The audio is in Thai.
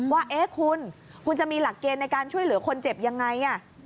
ว่าเอ๊ะคุณคุณจะมีหลักเกณฑ์ในการช่วยเหลือคนเจ็บยังไง